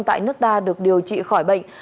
tại nước ta được điều trị khỏi bệnh